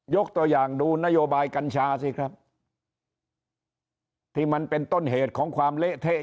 ยกตัวอย่างดูนโยบายกัญชาสิครับที่มันเป็นต้นเหตุของความเละเทะ